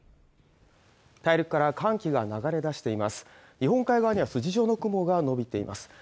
大陸から寒気が流れ出しています日本海側には筋状の雲が延びています